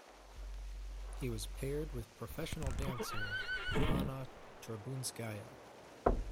He was paired with professional dancer Anna Trebunskaya.